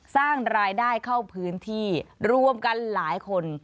สร้างรายได้เข้าพื้นที่รวมกันหลายคน